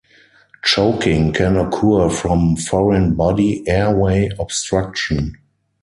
Choking can occur from foreign body airway obstruction.